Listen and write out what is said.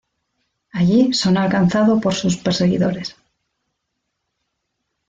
Allí son alcanzado por sus perseguidores.